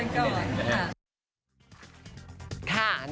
สองคนก่อน